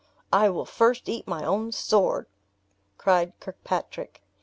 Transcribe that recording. "I will first eat my own sword," cried Kirkpatrick.